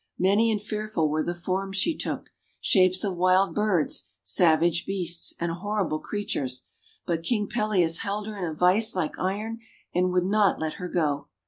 Many and fearful were the forms she took, — shapes of wild birds, savage beasts, and horrible creatures, — but King Peleus held her in a vice like iron and would not let her go.